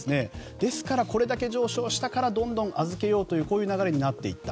ですから、これだけ上昇したからどんどん預けようというこういう流れになっていった。